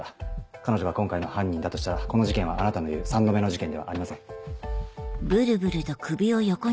彼女が今回の犯人だとしたらこの事件はあなたの言う３度目の事件ではありません。